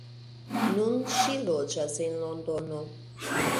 Nun ŝi loĝas en Londono.